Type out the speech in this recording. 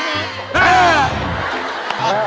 คาด